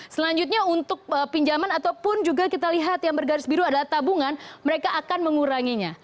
selanjutnya untuk pinjaman ataupun juga kita lihat yang bergaris biru adalah tabungan mereka akan menguranginya